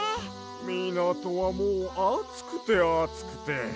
みなとはもうあつくてあつくて。